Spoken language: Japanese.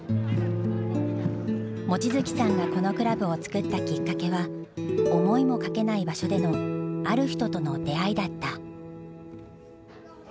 望月さんがこのクラブを作ったきっかけは思いもかけない場所での“ある人”との出会いだった。